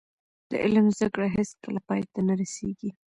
د علم زده کړه هیڅکله پای ته نه رسیږي.